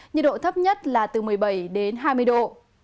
nhiệt độ thấp nhất là từ một mươi bảy đến hai mươi độ